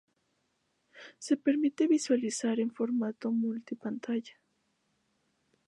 Se permite visualizar en formato multi-pantalla.